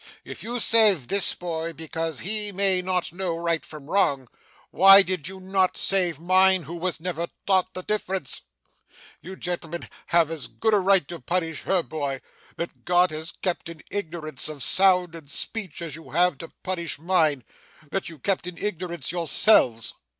If you save this boy because he may not know right from wrong, why did you not save mine who was never taught the difference? You gentlemen have as good a right to punish her boy, that God has kept in ignorance of sound and speech, as you have to punish mine, that you kept in ignorance yourselves.